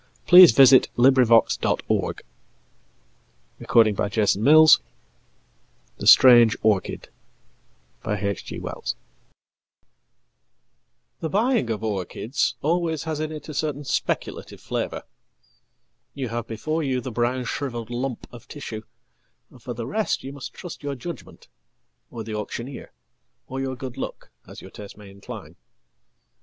Wells » The Flowering of the Strange Orchid The Flowering of the Strange Orchid The buying of orchids always has in it a certain speculative flavour. Youhave before you the brown shrivelled lump of tissue, and for the rest youmust trust your judgment, or the auctioneer, or your good luck, as yourtaste may incline.